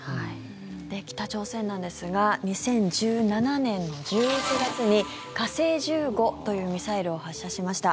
北朝鮮なんですが２０１７年の１１月に火星１５というミサイルを発射しました。